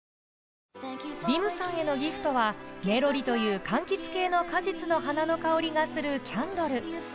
ＢＩＭさんへのギフトは「ネロリ」という柑橘系の果実の花の香りがするキャンドル